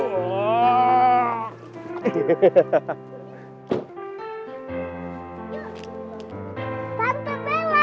beneng kau ini